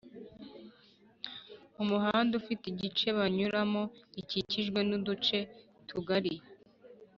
Mu muhanda ufite igice banyuramo gikikijwe n'uduce tugari